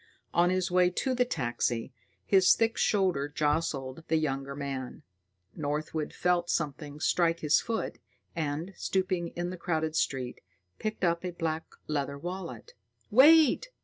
On his way to the taxi, his thick shoulder jostled the younger man. Northwood felt something strike his foot, and, stooping in the crowded street, picked up a black leather wallet. "Wait!"